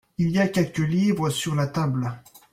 Il y a quelques livres sur la table.